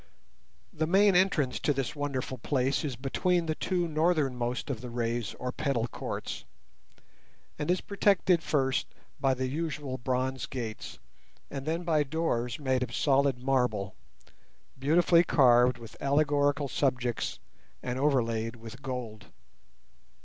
The main entrance to this wonderful place is between the two northernmost of the rays or petal courts, and is protected first by the usual bronze gates, and then by doors made of solid marble, beautifully carved with allegorical subjects and overlaid with gold.